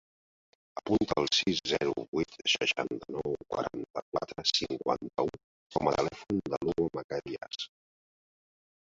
Apunta el sis, zero, vuit, seixanta-nou, quaranta-quatre, cinquanta-u com a telèfon de l'Hugo Maceiras.